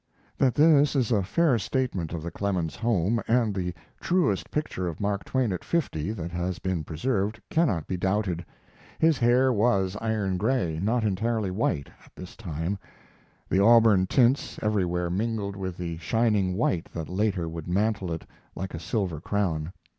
That this is a fair statement of the Clemens home, and the truest picture of Mark Twain at fifty that has been preserved, cannot be doubted. His hair was iron gray, not entirely white at this time, the auburn tints everywhere mingled with the shining white that later would mantle it like a silver crown.